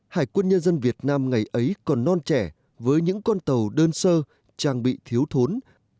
hải quân nhân dân việt nam ngày ấy còn non trẻ với những con tàu đơn sơ trang bị thiếu thốn